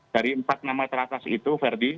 dari empat nama telakas itu verdi